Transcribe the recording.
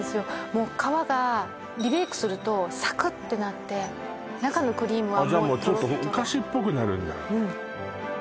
もう皮がリベイクするとサクッてなって中のクリームはもうトロットロじゃもうちょっとお菓子っぽくなるんだうん